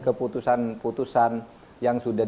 keputusan putusan yang sudah